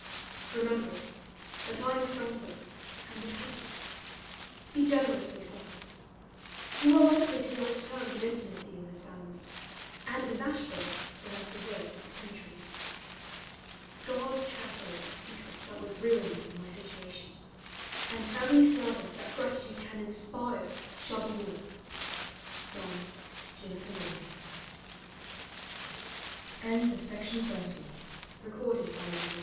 Remember that I am friendless and dependent. Be generously silent. You are likely to be on terms of intimacy in this family, and Miss Ashburn is as severe as penetrating. Guard carefully a secret that would ruin me in my situation; and every service that gratitude can inspire shall by your's from JANETTA LAUNDY LETTER XIV FROM CLEMENT MONTGOMERY TO AR